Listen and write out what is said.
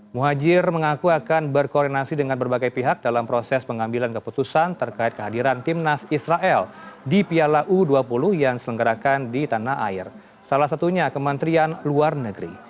muhajir mengaku akan berkoordinasi dengan berbagai pihak dalam proses pengambilan keputusan terkait kehadiran timnas israel di piala u dua puluh yang selenggarakan di tanah air salah satunya kementerian luar negeri